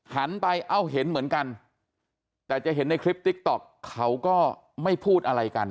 หันไปเอ้าเห็นเหมือนกันแต่จะเห็นในคลิปติ๊กต๊อกเขาก็ไม่พูดอะไรกัน